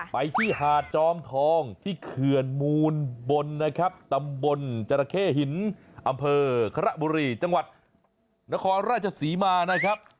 ไปที่หาดจอมทองที่เขื่อนมูลบนนะครับตำบลจราเข้หินอำเภอคระบุรีจังหวัดนครราชศรีมานะครับ